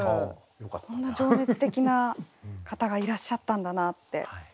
こんな情熱的な方がいらっしゃったんだなって。